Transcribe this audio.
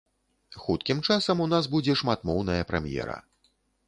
Хуткім часам у нас будзе шматмоўная прэм'ера.